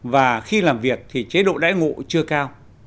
và khi làm việc thì chế độ đãi ngộ chưa cao